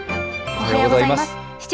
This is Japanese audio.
おはようございます。